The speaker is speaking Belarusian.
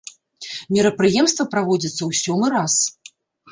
Мерапрыемства праводзіцца ў сёмы раз.